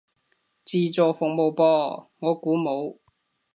自助服務噃，我估冇